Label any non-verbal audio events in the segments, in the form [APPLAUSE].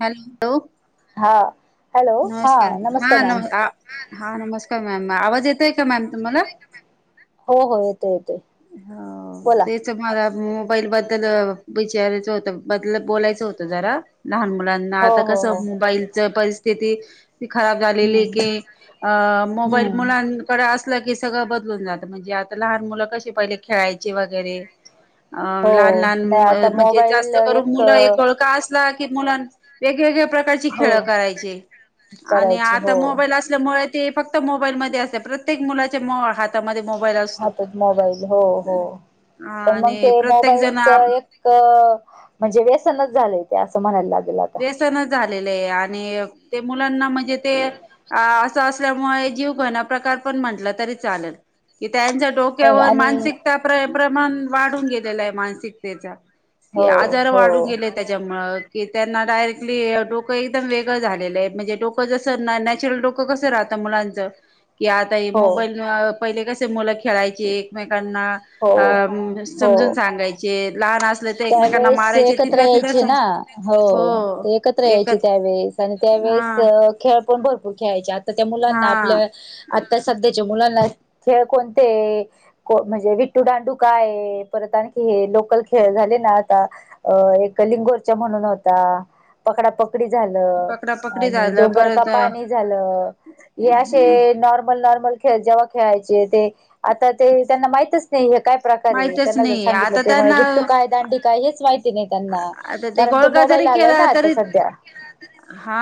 Hello हा hello हा नमस्कार हा मॅम नम हा नमस्कार मॅम आवाज येतोय? का मॅम आवाज तुम्हाला येतोय का मॅम? हो हो येतोय येतोय हो बोला तेच म मोबाईल बद्दल विचारायचं होत बद्दल बोलायचं होत जरा लहान मुलांना हो आता हो हो कसं मोबाईलच परिस्थिती खराब झालेली आहे हम्म की मोबाईल हम्म मुलांकडे असलं की सगळं बदलून जात म्हणजे आता लहान मुलं के पहिले खेळायचे वगैरे अ लहान हो लहान नाही आता म्हणजे मोबाईल जास्त करून मुलं एक गळका अस क मुला वेगवेगळे प्रकारची हो खेळ करायची आणि करायची हो आता मोबाईल असल्यामुळे ते फक्त मोबाईलमध्ये असते प्रत्येक मुलाच्या हातामध्ये मोबाईल असतो हातात मोबाईल हो हो पण मग आणि ते प्रत्येक जण मोबाईलच एक म्हणजे व्यसनच झालंय ते असं म्हणायला लागत. व्यसनच झालेले आणि ते मुलांना म्हणजे, ते अस असल्यामुळे जीव घ प्र पण म्हट तरी चालेल. त्यांच्या नाही डोक्यावर आणि मानसिकता प्रमाण वाढून गेलेला आहे मानसिकतेचा. हो कि आजार हो वाढून गेले त्याच्या मूळ कि, त्यांना डायरेक्टली डोकं एकदम वेगं झालेलं आहे, म्हणजे डोकं जसं नॅचरल डोकं कसं राहत मु मुलांचं की आता हो मोबाईल पहिले कसे मुलं खेळायची एके एकमेकांना हो अ समजून हो सांगायचे. लहान असले तर एकमेकांना त्यावेेळेस मारायचे एकत्र तिथल्या तिथ यायचे स ना हो ते एकत्रहायचे त्यावेेळेस आणि हा त्यावेेळेस खेळ पण भरपूर खेळायचे आ त्या मुलांना हा आपल्या आता सध्याच्या मुलांना, खेळ कोणते म्हणजे विट्टू डांडू काय परत आणखी हे लोकल खे खेळ झाले ना आता एक लिंगोर्च्या म्हणून होता पकडापकड कडी झालं पकडा पकडी आणि झालं डोंगर का परत पाणी झालं. हे असे नॉर्मल, नॉर्मल जेव्हा खेळायचे ते आता ते त्यांना माहितच नाही. काय प्रकारे माहितच त्यांना जर नाही सांगितलं आता त्यामुळे त्यांना विटू काय दांडी काय हेच माहित नाही त्यांना आता ते कारण तो गोळका मोबाईल जरी आलाय ना केला आता तरी सध्या. हा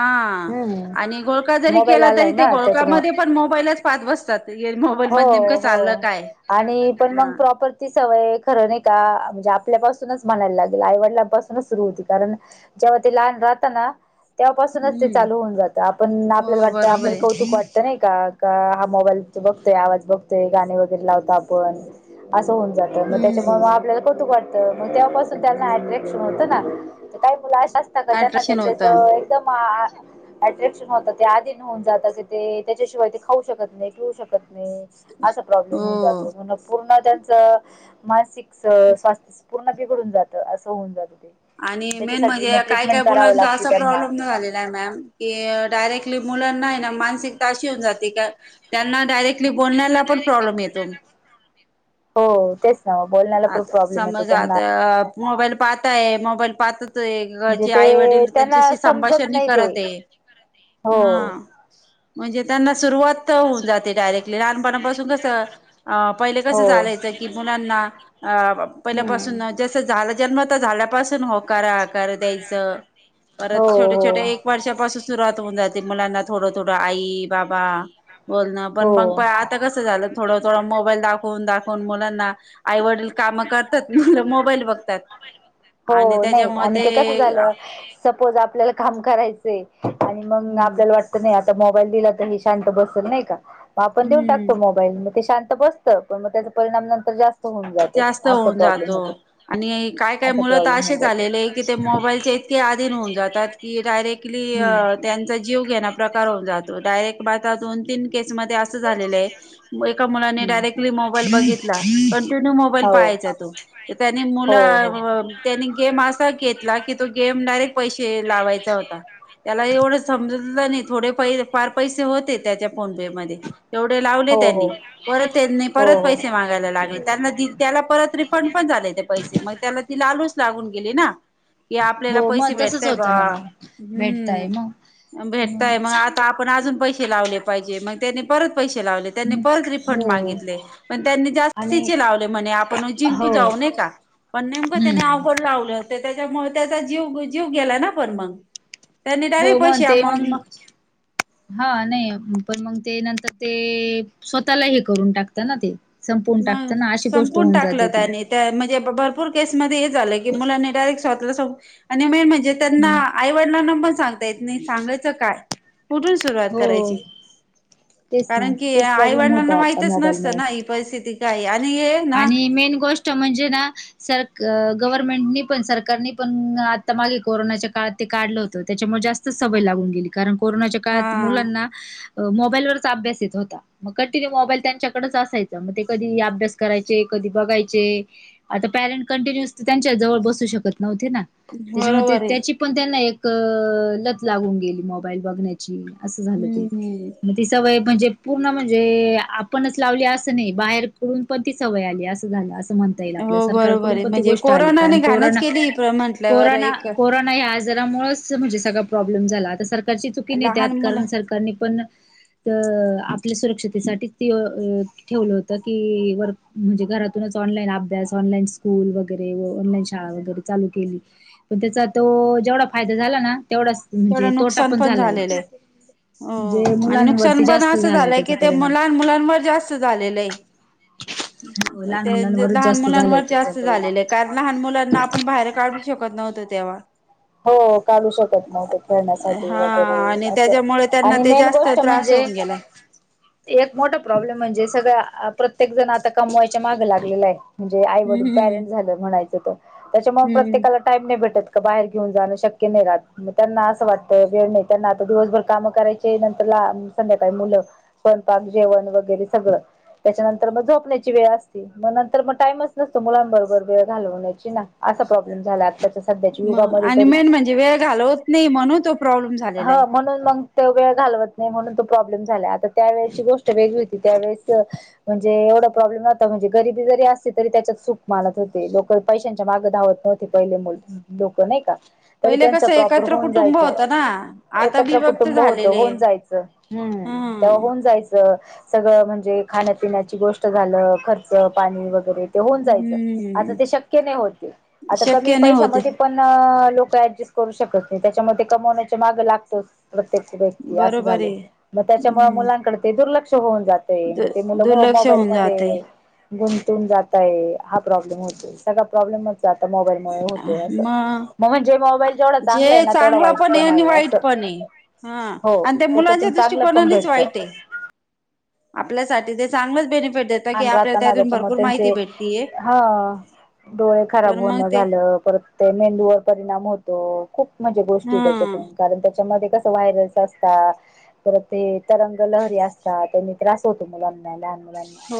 हम्म आणि गोळका जरी मोबाईल केला तरी आलाय ते ना त्याच्यामुळे गोळकामध्ये पण मोबाईलच पात बसतात. मोबाईल हो मध्ये नेमकं हो चाललं काय आणि पण हा मग प्रॉपरटी. सवय खर नाही का म्हणजे, आपल्यापासूनच म्हणायला लागेल आईवडलांपासूनच सुरु होती कारण जे ते लहान राहतना! तेव्हा पासूनच ते हम्म चालू होऊन जातं आपण आपल्याला हो वाटत बरोबर आपल्याला आहे कौतुक वाटतं नाही, हा मोबाईल बघतोय आवाज बघतोय गाणी वगैरे लावतो आपण. होन जात मग त्याच्यामुळे हम्म मग आपल्याला कौुक वाटतं. मग तेव्हापासून त्यांना अट्रॅशन होत ना काही मुलाशी असत का त्यांना अट्रॅक्शन होत त्याच्यात एकदम अट्रॅक्शन होतं ते आधी नेऊन जात क ते त्याच्याशिवाय ते खाऊ शकत नाही पिऊ शकत असा प्रॉब्लेम हो होऊन जातो म्हण पूर्ण त्यांच मानसिक स्वास्थ्य पूर्ण बिघडून जातं असं होऊन जातो. आणि मेन म्हणजे काय काय मुलांचा लागते असा त्यांना प्रॉब्लेम न झालेला आहे मॅम की डायरेक्टली मुलांना नाही ना मानसिक ताशी होऊन जात. त्यांना डायरेक्टली बोलण्याला पण प्रॉब्लेम येतो. हो तेच ना बोलण्याला पण आता प्रॉब्लेम येतो समज त्यांना, आता मोबाईल पाहताय, मोबाईल पाहत. म्हणजे घरचे आई ते वडील त्यांना त्यांच्याशी समजत संभाषणही नाही ते करत आहेत. हो हा म्हणजे त्यांना, सुरुवात होऊन जाते डायरेक्टली लहानपणापासून कसं पहिले हो कसं झालायचं की मुलांना. अ हम्म पहिल्यापासून जसं झालं जन्मता झाल्यापासून होकार आकार द्यायचं. परत हो हो छोटे छोट्या एक वर्षापासून सुरुवात होऊन जाते मुलांना थोडं थोडं आई बाबा बोल ना पण हो मग प आता कसं झालं थोडं - थोडं आईवडील कामं करतात न मोबाईल बघतात. आणि हो नाही त्याच्यामुळे आणि ते कसं झालं सपोज आपल्याला काम करायच, आणि मग हम्म आपल्याला वाटत नाही, आता मोबाईल दिला तर हे शांत बसल नाही का? मग आपण देऊन हम्म टाकतो मोबाईल मग ते शांत बसतं पण मग त्याचा परिणाम नंतर जास्त होऊन जातो, जास्त असा होऊन प्रॉब्लेम जातो होतो. आणि काय काय असा मुलं तर प्रॉब्लेम असे त झालेले आहे की ते झा मोबाईलचे इतके आधीन होऊन जातात की [UNINTELLIGIBLE] डायरेक्टली त्यांचा जीव केला प्रकार होऊन जातो आता एक दोन तीन अस झाले आहे एका मुलाने हम्म. डायरेक्टली मोबाईल हम्म. बघितला. कंटिन्यू मोबाईल हो पहायचा तो त्यानी हो मुला हो त्यांनी गेम असा घेतला की तो गेम डायरेक्ट पैसे लावायचा होता त्याला एवढं सम नाही थोडे प फार पैसे होते त्याच्या फोन पे म एवढे लावले हो त्यांनी परत त्यांनी हो परत हो हो. पैसे मागायला लागले त्यांना दि त्याला परत रिफंड पण झाले ते पैसे मग त्याला ती लालूच लागून गेली ना. कि आपल्याला हो पैसे मग तसच भेटतय बा होतं ना मग भेटताय हम्म. मग भेटताय मग आता आपण अजून पैसे लावले पाहिजे मग त्यांनी परत पैसे लावले त्यांनी परत रिफंड हो मागितले त्यांनी जा आणि स्तीचे लावले म्हणे आपण जिंकू हो जाऊ न्हाय का पण नेमकं त्याने हम्म अवघड लावलं तील त्याच्यामूळ त्याचा जीव जीव गेला ना पण मग. त्यांनी हो डायरेक्ट मग पैसे ते मग अमाऊंट हा नाही. पण मग ते नंतर ते स्वतःला हे करून टाकत ना ते. संपवून टाकत मग ना अशी गोष्ट संपून होऊन टाकलं जाते ती त्यानी त्या म्हणजे भरपूर केसमध्येध्ये झालं की मुलांनी डायरेक्ट स्वतला संपआणि मेन म्हणजे जे त्यांना हम्म आईवडला पण सांगतायेत नाही सांगायचं काय. कुठून सुरवात हो करायची. तेच ना कारण की तेच प्रॉब्लेम आईवडिलांना होतय आता माहितच मोबाईल मुळे नसतं ना ही परिस्थिती. काय आणि हे ना आणि मेन गोष्ट म्हणजे ना सर क गव्हर्नमेंटनी पण सरकारने पण आता मागे कोरोनाच्या काळात ते काढलं होतं त्याच्यामुळे जास्तच सवय लागून गेली कारण कोरोनाच्या काळात हा मुलांना मोबाईलवरच अभ्यास येत होता मग कंटिन्यू मोबाईल त्यांच्याकडेच असायचं मग ते कधी अभ्यास करायचे कधी बघायचे आता पॅरेट कंटिन्युअस त्यांच्या जवळ बसू शकत नव्हते ना त्याच्यामुळे ते बरोबर आहे त्याची पण त्यांना एक क लत लागून गेली मोबाईल बघण्याची असं झालं ते हम्म म ती सवय म्हणजे पूर्ण म्हणजे आपणच लावली असं नाही बाहेर कडून पण ती सवय आली असं झालं अस म्हणता येईल हो बरोबर सरकारकडून आहे पण त म्हणजे गोष्ट आली कारन कोरोनाने घाणच पोरांना केली म्हटल्यावर पोरानं एक पोरांना ही आज त्याच्या मुळच म्हजे सगळा प्रब्लेम झाला आता सरका रची चुकी नाही त्यात लहान मुलं कारण सरकारने पण अ आपल्या सुरक्षतेेसाठीच ठेवलं होतं की वर म्हणजे घरातूनच ऑनलाईन अभ्यास ऑनलाईन स्कूल वगैरे व ऑनलाईन शाळा वगैरे चालू केली व पण त्याचा तो जेवढा फायदा झाला ना तेवढाच म्हणजे तेवढं तोटा नुकसान पण झालाय. झालेलं आहे हो म्हणजे आणि नुकसान मुलांवरती पण जास्त असं झालाय झालंय त्याचा की ते मु परिणाम. लहान मुलांवर जास्त झालेलं आहे. हो लहान ते ज मुलांवरच लहान जास्त झालाय मुलांवर त्याचा जास्त परिणाम. झालेलं कारण लहान मुलांना आपण बाहेर काढू शकत नव्हतो तेव्हा. हो काढू शक त नव्हतो खेळण्यासाठी हा वगैरे आणि असं त्याच्यामुळे त्यांना आणि ते मेन जास्त गोष्ट त्रास म्हणजे. होऊन गेला एक मोठा प्रॉब्लेम म्हणजे सगळं प्रत्येक जण आता कमवायच्या माग लागलेला आहे म्हणजे आई वडील हम्म पॅरेंट हम्म झालं म्हणायचं तर त्याच्यामुळे हम्म प्रत्येकाला टाईम नाही भेटत का बाहेर घेऊन जाणं शक्य नाही राहत त्यांना असं वाटत वेळ नाही त्यांना आता दिवसभर कामं करायचे नंतर ला संध्याकाळी मुलं स्वयंमपाक जेवण वगैरे सगळं. त्याच्यानंतर मग झोपण्याची वेळ असती मग नंतर मग टाइमच नसतो मुलांबरोबर वेळ घालवण्याची ना. प्रॉब्लेम झाला आसा सध्या सध्याची मग आणि मेन म्हणजे वेळ घालवत नाही म्हणू तो प्रॉब्लेम झालेला आहे. ते वेळ घालवत नाही म्हणून तो प्रॉब्लेम झला आता त्या वेळची गोष्ट वेगळी होती त्यावेळीस अ म्हजे एवढा प्रॉब्लेम न्हता म्हणजे गरीबी जरी असते तरी त्याच्यात सुख मानत होते लोक पैशांच्या मागं धावत नव्हते. पहिले लोकं नाही का. तरी पहिले त्यांच कसं प्रॉपर एकत्र होऊन कुटुंब जायचं होतं ना आता एकत्र विभक्त कुटुंब होतं झालेले होऊन जायचं. हम्म तेव्हा होऊन जायचं. सगळं म्हणजे खाण्यापिण्याची गोष्ट झालं खर्च पाणी वगैरे ते होऊन जायच आता हम्म ते शक्य नाही होते आता कमी शक्य नाही होते पैशामध्ये पण लोक ऍडजस्ट करू शकत नाही, त्याच्यामध्ये ते कमवण्याचा माग लागतोच. प्रत्येक व्यक्ती असं बरोबर झाले आहे मग त्याच्यामुळे हम्म मुलांकडे ते दुर्लक्ष होऊन जात मग ते मुलं मु दुर्लक्ष मोबाईल होऊन जातय म्हदे. गुंतून जाताय हा प्रॉब्लेम होतोय, सगळा प्रॉब्लेम आता मोबाईलमुळे होतोय असं. मग म्हणजे मोबाईल जेवढा चांगला आहे, जे ना तेवढं चांगलं वाईट पण आणि आहे वाईट असं. पण आहे हा हो आणि त्या मुलांच्या त्याच्यातून चांगलं पण दृष्टिकोनानेच भेटत. वाईट आहे आपल्यासाठी ते चांगलच बेनिफ आणिन राहताना त्याच्यामुळे त्यांचे भेटतीय हा डोळे खराब पण मग होणं ते झालं परत ते मेंदूवर परिणाम होत. त खूप म्हणज्या गोष्टी हा त्याच्यातून कारण त्या कस व्हायर असत पर ते तरंग लहरी असतात, त्यांनी त्रास होतो मला लहान मुलासानी हो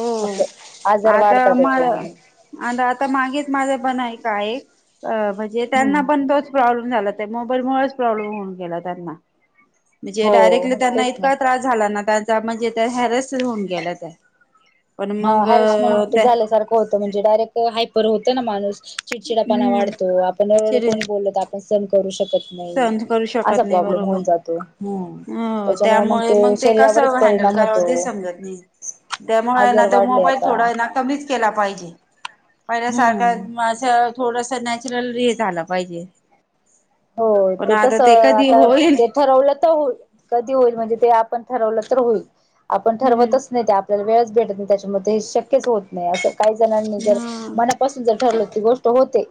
आता म त्याच्याने आणि आता मागेच माझं बनय म्हणजे त्यांना हम्म पण तेच प्रॉब्लेम्स. झाला त्या मोबाईलमुळेच प्रॉब्लेम होऊन गेला त्यांना म्हणजे हो डायरेक्टली त्यांना तेच ना इतका त्रास झाला ना, त्यांचा म्हणजे त्या हॅरस होऊन गेला त्या पण हा मग हॅरसमेंट त्या झाल्यासारखं होतं म्हणजे डायरेक्ट हायपर होतं ना माणूस. चिडचिडपण हम्म वाढतो, आपण एवढं कोणी बोललो तर आपण सहं न करू शकत. सहन करू शकत असा नाही प्रॉब्लेम बरोबर होन जातो त्याच्यामुळे मग ते शरीरावरच पर काय करावं तेच समजत नाही त्यामुळे आहे ना आजार वाढले मोबाईल आता थोडा आहे ना कमीच केला पाहिजे. पहिल्या सारखा हम्म माझं थोडस नॅचरल हे झालं पाहिजे हो पण ते तस कधी आता होईल ते ठरवलं तर होल कधी होईल म्हणजे ते आपण. ठरवलं तर होईल आपण हम्म ठरवतच नाही आपल्याला वेळच भेटत नाही, त्याच्यामध्ये हे शक्यच होत नाही असं. काही जणांनी जर हा मनापासून जर ठरलं ती गोष्ट होते.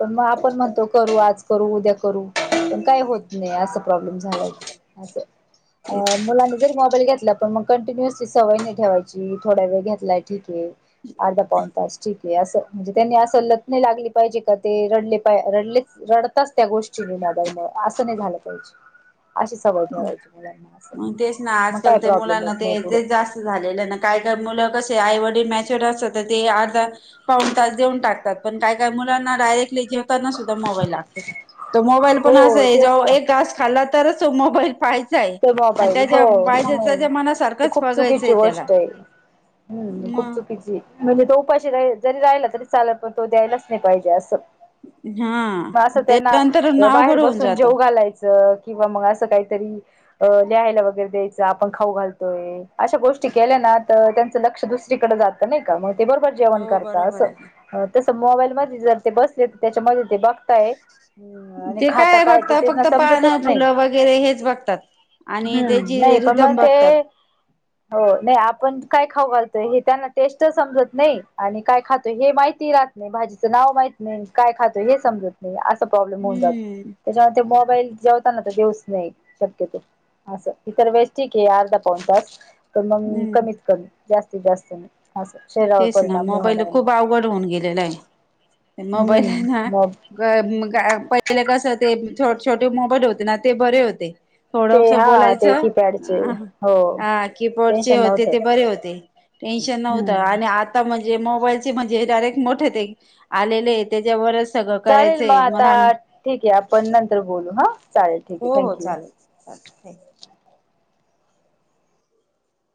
पण मग आपण म्हणतो करू आज उद्या करू पण काय होत नाही अस प्रॉब्लेम झालाय अस. अ तेच मुलांनी जरी मोबाईल घेतला. पण मग कंटिन्युअसली सवय नाही, ठेवायची थोडा वेळ घेतलाय ठीक ये. अधा पाऊन तास ठीके असं म्हणजे त्यांनी असं लगने लागले पाहिजे का ते रडले पा रडलेच रड च त्या गोष्टीनी मोबाईल मूळे असं नाही झालं पाहिजे. अशी सवय ठेवायची मुलांना असं मग तेच ना मग आजकाल काय ते प्रॉब्लेम मुलांना येत ते नाही पुढे ते जास्त झालेलं ना काही. मुलं कसे आईवड तऊ टा पण का का मुलांनाडयरे [UNINTELLIGIBLE] जेवताना सुद्धा मोबाईल लागतो मोबाईल पण अस हो तेच आहे ना एक घास खाल्ला तरच. तो मोबाईल पाहिच. ते मोबाईल हो नाही ते मनासारखंच खूप चुकीची बघायचंय त्याला गोष्ट ये. हम्म खूप मग चुकीची म्हणजे तो उपाशी राही जरी राहिला, तरी चालाल पण तो द्यायलाच नाही पाहिजे असं. हा मग असं ते त्यांना नंतर बाहेर अवघड होऊन बसून जात जेव घालायचं. किंवा मग असं काहीतरी अ लिहायला वगैरे द्यायचं आपण खाऊ घालतोय, अशा गोष्टी केल्या ना त्यांच लक्ष दुसर दुसरी कडे जात नाही का ते बरोबर जेवण हो करतात बरोबर आहे असं तस मोबाईलमध्ये जर ते बसले तर त्याच्यामध्ये ते बघताय आणि ते खाता काय ते बघतात तेना फक्त समजतच पानं नाही. फुलं वगैरे हेच बघतात आणि हम्म त्याची नाही पण रिदम मग ते बघतात हो नाही आपण काय खाऊ घालतोय, हे त्यांना टेस्ट समजत नाही आणि, काय खातोय हे माहिती रा भाजीचं नाव माहित नाही काय खातोय हे समजत नाही अस. तो प्रॉब्लेम होऊन जातो हम्म त्याच्या मुळे मोबाईल जेवताना देऊ च नाही. तिथे असं इतर वेळी ठीक हे अर्धा पाऊन तास तर मग हम्म कमीत कमी. जास्तीत जास्त ना. तेच ना मोबाईल खूप अवघड होऊन गेलेला आहे. मोबाईल आहे ना हम्म मग [UNINTELLIGIBLE] मग काय पहिले कस ते छोटे मोबाईल होते, ना ते बरे होते. ते थोडस हा ते बोलायचं कीपॅडचे हो ह कीबोर्डचे टेन्शन होते, नव्हतं ते बरे होते. टेन्शन नव्हतं हम्म आणि आता म्हणजे. मोबाईलचे म्हणजे डायरेक्ट मोठे आलेले त्याच्यावर. चालेल मग आता ठीक आहे, आपण नंतर बोलू हा चालेल ठीक हो आहे थँक यू. चालेल हो चालेल [UNINTELLIGIBLE]